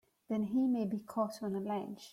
Then he may be caught on a ledge!